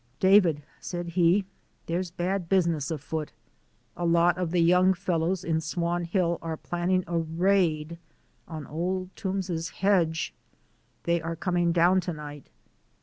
"David," said he, "there's bad business afoot. A lot of the young fellows in Swan Hill are planning a raid on Old Toombs's hedge. They are coming down to night."